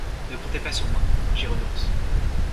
Ne comptez pas sur moi, j'y renonce.